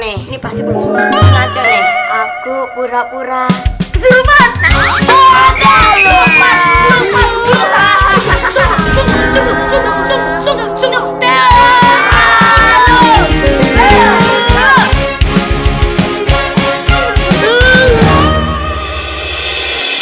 selama ini semuanya bersambung ini meweng ngaco nih aku pura pura keseluruhan